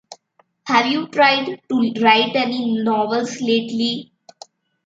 Have you tried to write any novels lately?